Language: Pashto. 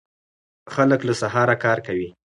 خلک له سهاره کار کوي.